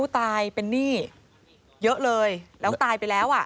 ตายเป็นหนี้เยอะเลยแล้วตายไปแล้วอ่ะ